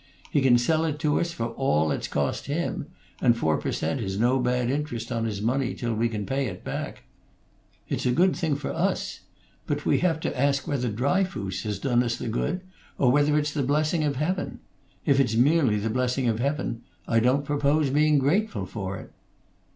He can sell it to us for all it's cost him; and four per cent. is no bad interest on his money till we can pay it back. It's a good thing for us; but we have to ask whether Dryfoos has done us the good, or whether it's the blessing of Heaven. If it's merely the blessing of Heaven, I don't propose being grateful for it."